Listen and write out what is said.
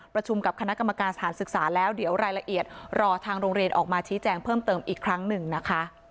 ประชุมกับคณะกรรมการสถานศึกษาแล้วเดี๋ยวรายละเอียดรอทางโรงเรียนออกมาชี้แจงเพิ่มเติมอีกครั้งหนึ่งนะคะ